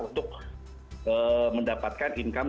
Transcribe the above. untuk mendapatkan income